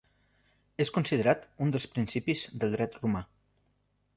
És considerat un dels principis del Dret romà.